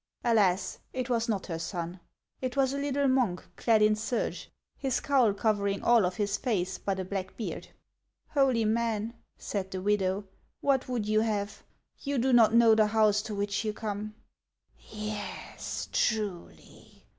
Alas ! it was not her son. It was a little monk clad in serge, his cowl covering all of his face but a black beard. " Holy man," said the widow, " what wrould you have ? You do not know the house to which you come." " Yes, truly